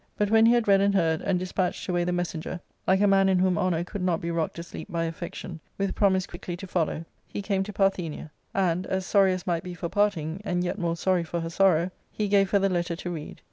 But when he had read and heard, and despatched away the messenger, like a man in whom honour could not be rocked asleep by affection, with promise quickly to follow, he came to Parthenia, and, as sorry as might be for parting, and yet more sorry for her sorrow, he gave her the letter to read.